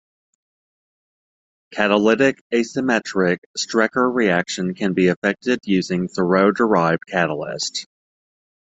Catalytic asymmetric Strecker reaction can be effected using thiourea-derived catalyst.